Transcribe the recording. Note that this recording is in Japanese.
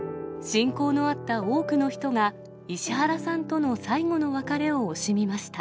親交のあった多くの人が、石原さんとの最後の別れを惜しみました。